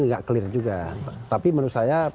nggak clear juga tapi menurut saya